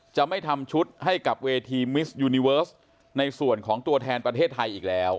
จะไม่ทำชุดให้กับเวทีมิสยูนิเวิร์สในส่วนของตัวแทนประเทศไทยอีกแล้ว